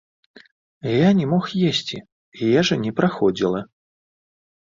Я не мог есці, ежа не праходзіла.